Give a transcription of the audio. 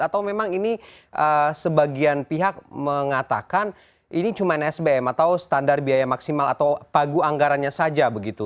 atau memang ini sebagian pihak mengatakan ini cuma sbm atau standar biaya maksimal atau pagu anggarannya saja begitu